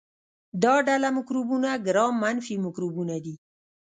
دا ډله مکروبونه ګرام منفي مکروبونه دي.